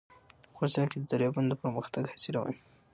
افغانستان کې د دریابونه د پرمختګ هڅې روانې دي.